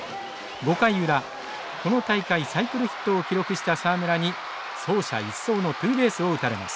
５回裏この大会サイクルヒットを記録した沢村に走者一掃のツーベースを打たれます。